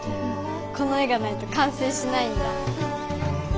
この絵がないと完成しないんだ。